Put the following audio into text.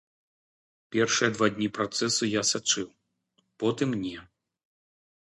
Першыя два дні працэсу я сачыў, потым не.